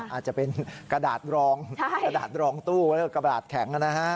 อาจจะเป็นกระดาษรองตู้กระดาษแข็งนะฮะ